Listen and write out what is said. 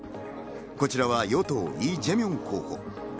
こちらは与党、イ・ジェミョン候補。